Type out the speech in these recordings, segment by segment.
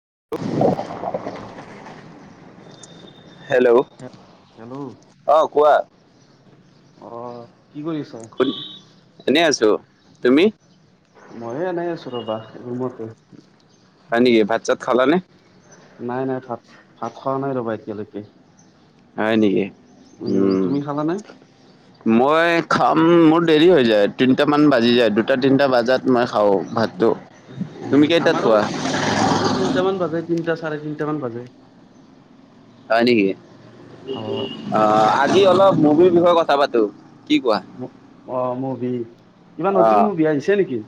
[unintelligible] Hello hello অহ কোৱা অ', কি কৰি আছ শু এনেই আছো তুমি ময়োড়এনেই আছো ৰবা ৰুমতে হয় নেকি ভাত চাত খালা নে নাই নাই ভাত ভাত খোৱা নাই ৰ'বা এতিয়ালৈকে হয় নেকি উম তুমি খালানে? মই খা মোৰ দেৰি হৈ যায় তিনিটামান বাজি যায় দুটা তিনিটা বজাত মই খাওঁ ভাতটো উম, তুমি কেইটাত আমাৰো খোৱা মোৰো তিনটামান বাজে তিনটা চাৰে তিনটামান বাজে হয় নেকি? অ', অ যি অলপ মুভিৰ বিষয়ে কথা পাতো। কি কোৱা অ মোৰ উম [unintelligible] কিবা অ নতুন মুভি আহিছে নেকি?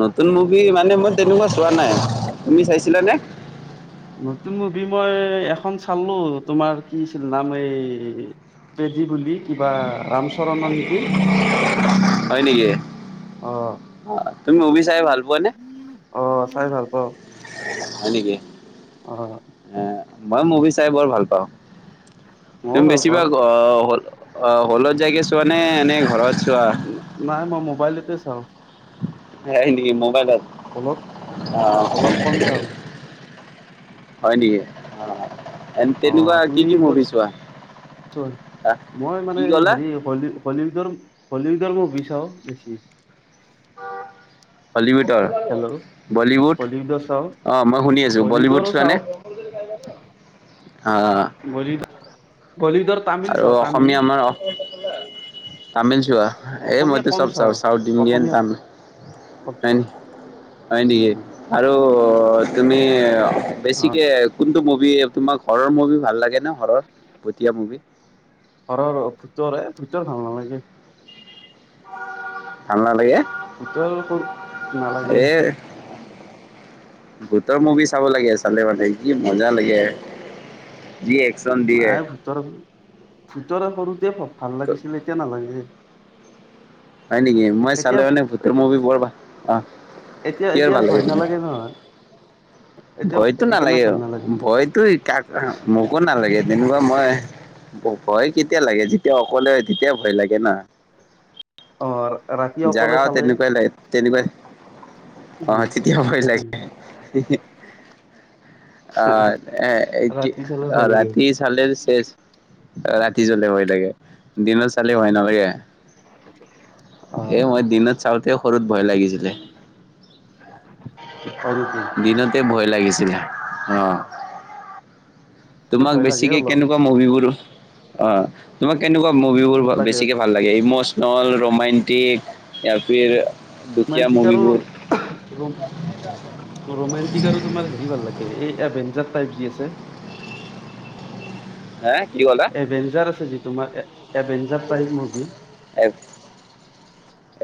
নতুন মুভি মানে মই তেনেকুৱা চোৱা নাই তুমি অ চাইছিলানে? নতুন মুভি মই এখন চালো তোমাৰ কি আছিল নাম এই পেডী বুলি কিবা ৰামচৰণৰ নেকি হয় নেকি? অ তুমি মুভী চাই ভাল পোৱানে? অ', চাই ভাল পাওঁ। হয় নেকি হয় অঁ এ মই মুভি চাই বৰ ভাল পাওঁ। ময়ো তুমি বেছি পাওঁ। ভাল আহ হ'ল অ হলত যাইগে চোৱা নে এনে ঘৰত চোৱা? নাই মই মোবাইলতে চাও। হ নেকি মোবাইল আছে হলত অঁ অলপ কম চাওঁ হয় নেকি? এ অ তেনেকুৱা কি তুমি কি ক'ত মুভী ছোৱা, চোৱা আহ কি কলা বলিউডৰ বলিউডৰ মুভী চাও বেছি হলীউডৰ হেল্ল' বলীউড বলীউডৰ চাওঁ অঁ মই শুনি আছোঁ বলীউড বলীউডৰো চোৱানে? চাওঁ অ বলী বলীউডৰ তামিল আৰু চাওঁ তামিল অসমীয়া আমাৰ তামিল, চোৱা এই অসমীয়া মইতো কম চব চাওঁ চাউথ ইণ্ডিয়ান অসমীয়া তামিল, হয় নি হয় নেকি? উম আৰু তুমি এ [unintelligible] বেছিকে কোনটো মুভি তোমাৰ ঘৰৰ মুভি ভাল লাগে ন ঘৰৰ ভূটীয়া মুভি। ঘৰৰ ভূতৰ এ ভূতৰ ভাল নালাগে। ভাল নালাগে ভূতৰ নালাগে এ ভূতৰ মুভি চাব লাগে, চালে মানে কি মজা লাগে যি একচন দিয়ে মায়ে ভূতৰ ভূতৰ কৰো দে ফ ভাল লাগিছিলে এতিয়া নালাগে। হয় নেকি মই এতিয়া চালে মানে ভূতৰ মুভি বৰ ভাল অ এতিয়া কি এতিয়া ভাল লাগে ভয় তোমাৰ নালাগে নহয় এতিয়া ভয়তো সেইকাৰণে নালাগে ভাল ভয়তো এ কাক মোকো নালাগে তেনেকুৱা মই ভয় কেতিয়া লাগে যেতিয়া অকলে হয় তেতিয়া ভয় লাগে ন ৷ অ ৰাতি অকলে জাগাও চালে তেনেকুৱাই লাগ তেনেকুৱাই উম, অহ তেতিয়া ভয় উম, লাগে আহ এ এতি ৰাতি চালে ভয় আহ লাগে। ৰাতি চালে চেচ ৰাতি জ্বলে হয় লাগে দিনত চালে হয় নালাগে ৷ [unintelligible] এ মই দিনত চাওতেও সৰুত ভয় লাগিছ হয় নেকি? লে৷, দিনতে ভয় লাগিছিলে ৷ অ তোমাক ভয় লাগে বেছিকে অলপ কেনেকুৱা মুভিবোৰ অ তোমাক কেনেকুৱা মুভিবোৰ লাগে বেছিকে ভাল লাগে এই মচ নহল ৰোমেণ্টিক ইয়াফিৰ ৰোমাণ্টিক আৰু ৰোমাণ্টিক আৰু তোমাৰ হেৰি ভাল লাগে এ এই এভেঞ্জাৰ টাইপ যি আছে ৷ হে এভেঞ্জাৰ আছে যি তোমাৰ Avenger type movie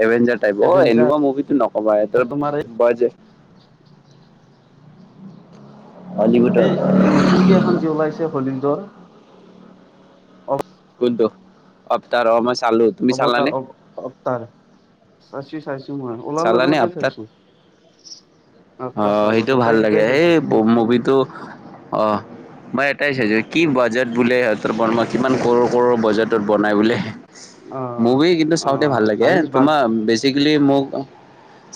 Avenger type Avenger অ এহতৰ তোমাৰ বাজে হলিউডৰ সেই এ নতুনকে এখন যি ওলাইছে হলিউডৰ কোনটো? অবতাৰ অ মই চালো তুমি চালানে? অৱতাৰ অৱ অৱতাৰ চাইছো-চাইছো মই ওলাৰ লগে চালানে লগে অৱতাৰ? চাইছো ৷ অ সেইটো ভাল লাগে সেই চাইছো তিনি তিনি মুভিটো অ মই এটাই চাইছো কি বাজেট বোলেহ তাৰপৰা মই কিমান কৰৰ-কৰৰ বজাৰটোত বনাই বোলে অ', মুভি কিন্তু চাওঁতে ভাল অ', লাগে এ হাইজ বাজ তোমাৰ বেছি বুলি মোক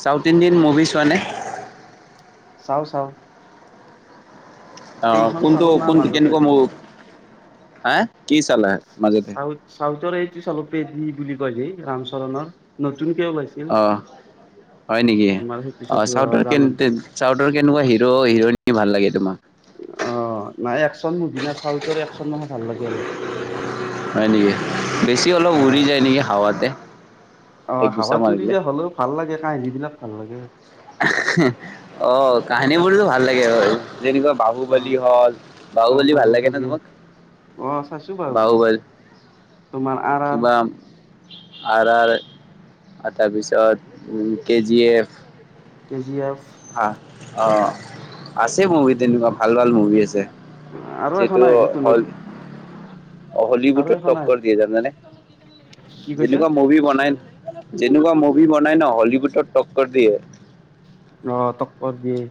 চাউথ ইণ্ডিয়ান মুভি চোৱা নে? চাওঁ-চাওঁ অ চালো না কোনটো-কোনটো কেনেকুৱা মো হা কি চালা মাজতে চউচৰ এইেই চলপেদি বুলি কয় যে ৰামচৰণৰ নত অ হয় নেকি তোমাৰ সেইটো অ চাইছো চাউতৰ কে জানো চাউথৰ কেনেকুৱা হিৰ' হিৰইনী ভাল লাগে? জমা। অ নাই একচোন না চাউৰ হয় নেকি বেছি অলপ অ উৰি যায় নেকি হাৱাতে। অ এক গুচা হাৱাত উৰি মাৰিলে যে হলেও ভাল লাগে কাহিনী বিলাক ভাল লাগে। অ কাহিনী বোৰতো ভাল লাগে বাৰু। যেনেকুৱা অ। বাহুবলী হল বাহুবলী ভাল লাগে ন তোমাক? অ চাইছো বাহুবলী তোমাৰ আৰ আৰ কিবা আৰু তাৰপিছত উম KG F K G F আহঁ আছে মুভি উম তেনেকুৱা ভাল ভাল মুভি আছে আৰু এখন যিটো আহিব তুনত হল আৰু হলিউডত এখন টক্কৰ আহিব দিয়ে যাম জানে কি কৈছা যেনেকুৱা মুভি বনাই যেনেকুৱা মুভি বনাই ন হলিউডত টক্কৰ দিয়ে। অ তককৰৰ দিয়ে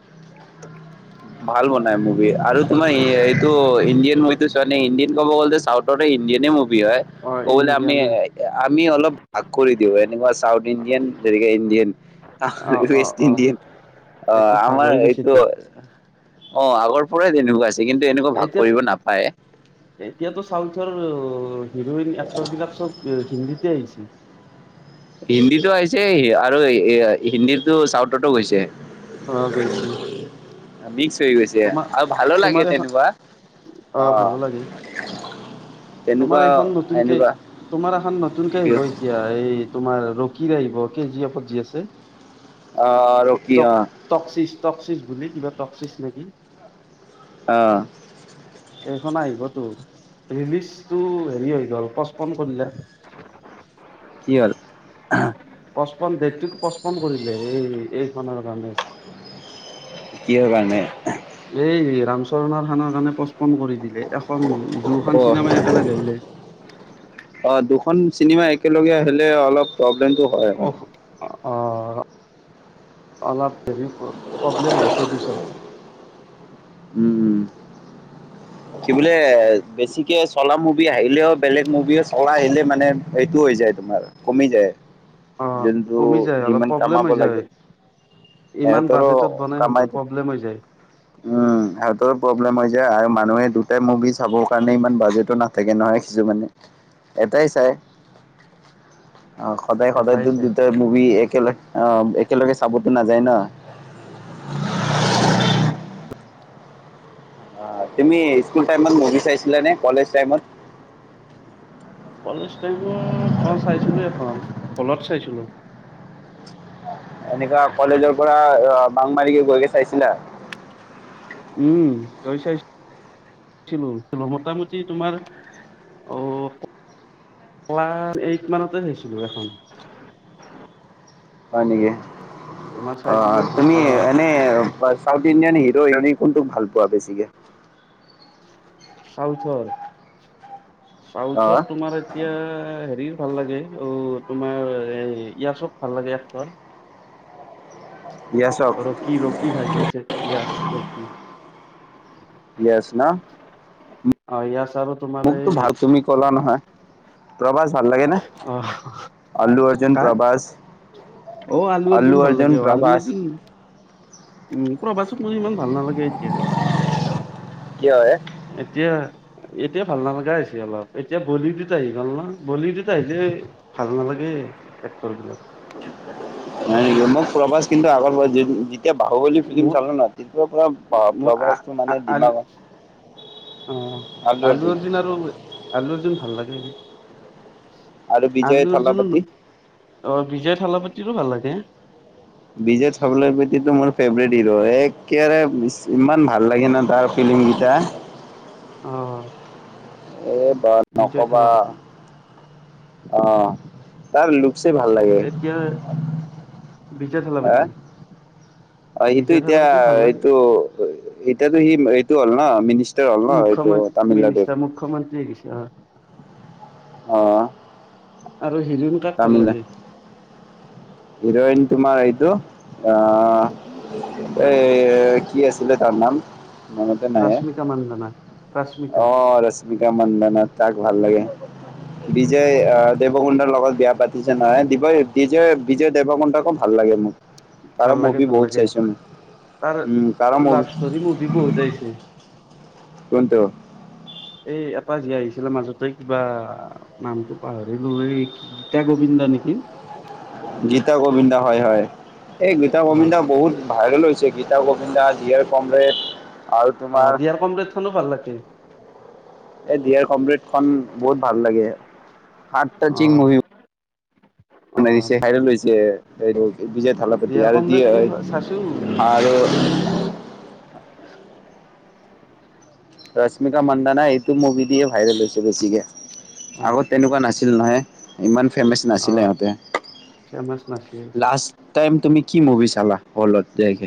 ভাল বনাই মুভি আৰু তোমাৰ এইটো ইণ্ডিয়া মইতো চ নে ইণ্ডিয়ান ক'ব গ'লে চাউথতে ইণ্ডিয়ানে ম ভি হয় অ ক'বলে আমি ইণ্ডিয়ান আমি অলপ ভাগ কৰি। এনে ম চাউথ ইণ্ডিয়ান যনেকে ইণ্ডিয়ান অ অ ৱেষ্ট অ ইণ্ডিয়ান অ এইটো ভাগ আমাৰ হৈ গৈছে এইটো এতিয়া অ আগৰ পৰাৰেই তেনেকুৱা আছে। কিন্তু এনেকুৱা ভাগ এতিয়া কৰিব নাপায় এতিয়াতো চাউথৰ হিৰইন এক্টৰবলাক চব হিন্দীতে আহিছিল হিন্দীতো আহিছে আৰু এ হিন্দীটো চাউথতো গৈছে অ গৈছ। মিক্স হৈ গৈছে তোমাৰ আৰু ভালো লাগে তোমাৰ তেনেকুৱা এখন অ ভালো লাগে তোমাৰ তেনেকুৱা এইখন নতুনকে এনেকুৱা তোমাৰ এখন নতুনকে আহিব এতিয়া এই তোমাৰ ৰকি ৰা আহিব কে জি আপতজি আছে আহ ৰকিয়া টক্চিচ বুলি কিবা টকচিচ নেকি আহ এইখন আহিবতো ৰিলিজটো হেৰি হৈ গ'ল পচপন কৰিলে কি হ'ল পচপন ডেটটো পঁচপন কৰিলে এই এইখনৰ কাৰণে কিহৰ কাৰণে এই ৰামচৰণৰ খানৰ কাৰণে পচপন কৰি দিলে এখন দুখন অ অহ চিনেমাই একেলগে আহিলে দুখন চিনেমা এক একেলগে আহিলে অলপ কিন্তু হয় অ', অ অলপ ধৰি প্ৰব্লেম হয় প্ৰড্যউচাৰ হয় উম কি বোলে বেছিকে চলা মোক আহিলেও বেলেগ মুভি চলাই আহিলে মানে এটো হৈ যায় তোমাৰ কমি যায় অঁ যোনটো কমি যায় অলপ যিমান প্ৰব্লেম কামাব হৈ লাগে যায় ইমান সিহঁতৰো বাজেটত বনাইহেঁত কামাইটো প্ৰব্লেম হৈ যায় উম হাৰ্টৰ প্ৰব্লেম হৈ যায় আৰু মানুহে দুটাই মুভি চাবৰ কাৰণে ইমান বাজেটো নাথাকে নহয় কিছুমানে এটাই চাই অ সদায় সদায় এটাই দু চাই দুটা মুভি একেলগে অহ একেলগে চাবতো নাযায় ন অ তুমি স্কুল টাইমত মুভি চাইছিলা নে কলেজ টাইমত কলেজ টাইমত অ চাইছিলো এখন হলত চাইছিলো এনেকা কলেজৰ পৰা অ বাংমাৰীকে গৈকে চাইছিলা উম তই চাই মোটামুটি তোমাৰ অ ক্লাছ এইট মানতে চাইছিলো এইখন হয় নেকি অ চাইছিলো এখন তুমি অ', এনে চাথ ইণ্ডিয়ান হিৰ' কোনটোক ভাল পোৱা বেছিকে চাওচৰ চাউথত অঁ তোমাৰ এতিয়া হেৰি ভাল লাগে অ তোমাৰ ইয়াচক ভাল লাগে এক্টৰ য়েছক ৰকি ৰকি ভাজিছে পিয়াস ৰকি ইয়েচ ন অ ইয়চ মোকতো ভাল তুমি কলা নহয় প্ৰভাচ ভাল লাগে ন অ আল্লু অৰ্জুন কা প্ৰভাস অ আল্লু অৰ্জুন লাগে আল্লু অৰ্জুন উম প্ৰভাচক মোৰ ইমান ভাল নালাগে এতিয়া কিয় হে এতিয়া এতিয়া ভাল নালা হৈছে অলপ এতিয়া বলিডত আহি গল ন বলিডত আহিলে ভাল নালাগে এক্টৰ বিলাক ন নেকি মোক প্ৰভাস কিন্তু আগৰ পৰা এতিয়া বাহুবল ফিল্ম মোৰ চালো ন মোৰ আ প্ৰভাসটো আ মানে আলু ডমাগত [unintelligible] অ আলু অৰ জোন আৰু আলু জুন জোন ভাল লাগে আৰু আলু বিজয় থল অৰ্জুনো পতি অ বিজয় থালাাপাতি ভাল লাগে বিজয় থালাপতিটো মোৰ ফেভৰেট হিৰ' একোৰে ইমান ভাল লাগে ন তাৰ ফিলিমকেইটা আহ এইবাৰ নক'বা অহ তৰ লোক লোকেশ ভাল এতিয়া বিজয় হো থালাপতি অ সিটো বিজয় এতিয়া থালাপতি ভাল লাগে এইটো এতিয়ো সি এইটো হ'ল ন মিনিষ্টাৰ তেওঁ হ'ল ন এইটো তামিলনাডুৰ তাতে গৈছে অ অ আৰু শিৰো কাক ভাল লাগে ইৰেণ্ তোমাৰ এইটো অ এই কি আছিলে তাৰ নাম মনতে নাহে ৰশ্মিকা মান্দনা ৰশ্মিকা মিকা মন্দানা তাক ভাল লাগে বিজয় আহ দেৱকুণ্ডাৰ লগত বিয়া পাতিছে নহয় দিবই বিজয়ই বিজয় দেৱকনতাকো ভাল লাগে মোক তাৰ ভাল লাগে মুভি ভাল বহুত লাগে চাইছো মই তাৰ উম তাৰ মুভি লভেষ্টৰ মোভি বহুত আহিছে কোনটো এই এটা জীয়াই আহিছিলে মাজতে কিবা নামটো পাহৰিলো এই গীতা গোবিন্দা নেকি গীতা গোবিন্দা হয় হয় এই গীতা অ গোবিন্দা বহুত ভাইৰেল হৈছে গীতা কোবিন্দ গ দ হিয়াৰ কমৰেড [unintelligible] অ তোমাৰ দিয়াৰ কম্প্লেট খনো ভাল লাগে তে এ ডিয়াৰ কমৰেট খন বহুত ভাল লাগে হাৰ্ট তাৰ অ চিন মোভি অ নতুন আহি ভাইৰেল এইটো বিজয় থালাপাতি দিয়াৰ আৰু দিয়ে কমৰেডটো চাইছো হয় অ আৰু ৰশ্মিকা মান্দানা এইটো মুভি দিয়ে ভাইৰেল হৈছে বেছিকে। অ আগত তেনেকুৱা নাছিল নহয়, ইমান ফেমাচ অ নাছিলে সিহঁতে, ফেমাচ নাছিল লাষ্টটাইম তুমি কি মুভি চালা, হ'লত? যাইকে?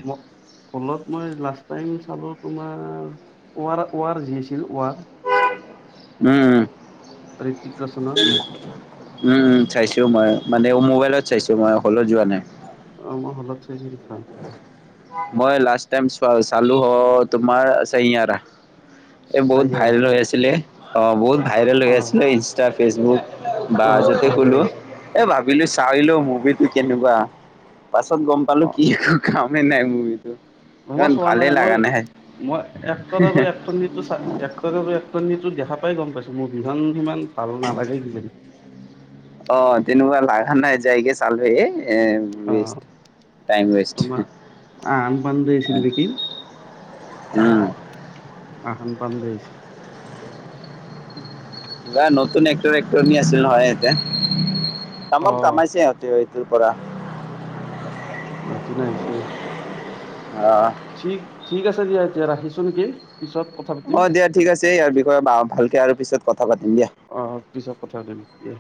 হ'লত মই লাষ্ টাইম চালোঁ তোমাৰ, ৱাৰ, ৱাৰ যি আছিল ৱাৰ উম! উম! [unintelligible] হ্ৰিটিক ৰোশনৰ। উম! উম! চাইছোঁ মই, মানে মোবাইলত চাইছোঁ মই, হলত যোৱা নাই। অ' মই হালত চাইছোঁ সেইখান মই লাষ্ট টাইম চালোঁ অ' তোমাৰ চয়াৰা। এ বহুত চাইয়াৰা ভাইৰেল হৈ আছিলে। অ' বহুত ভাইৰল হৈ অ গৈছিল ইনষ্টাত ফেচবুক বা অ যদি ভাইৰেল খুলোঁ হৈছে এ বা মিলি চাই আহিলোঁ, মুভিটো কেনেকুৱা পাছত গম পালোঁ, কি একো কাম মে নাই মুভিটো ম, মই চোৱা নাই, মই মই এক্টৰ আৰু এক্টৰণীটো এক্টৰ আৰু এক্টৰণীটো দেখা প তই গম পাইছো মোৰ বিভান কিমান ভালোঁ নালাগে কিজানি অ' তেনেকুৱা লাগা নাই যাইগে চালে এই এ অ ৱেষ্ট, টাইম ৱেষ্ট, তোমাৰ আহান পাণ্ডে আছিল নেকি অ' আহান পাণ্ডে আছিল। বা নতুন এক্টৰ এক্টৰণী ছিল নহয় এতিয়া অ তমাম কামাইচে সিহঁতে আজি পৰা নতুন আহিছে, অ', ঠিক ঠিক আছে দিয়া এতিয়া, ৰাখিছোঁ নেকি! পিছত কথা পাতিম অ দিয়া ঠিক আছে ইয়াৰ বিষয়ে বা, ভালকে আৰু পিছত অ [unintelligible] পিছত কথা পাতিম। দিয়া